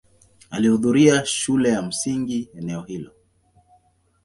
Alihudhuria shule ya msingi eneo hilo.